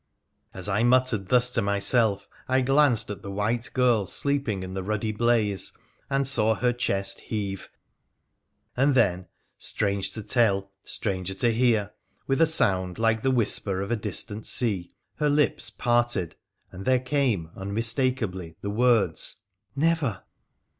' As I muttered thus to myself I glanced at the white girl sleeping in the ruddy blaze, and saw her chest heave, and then — strange to tell, stranger to hear — with a sound like the whisper of a distant sea her lips parted, and there came unmistakably the words —' Never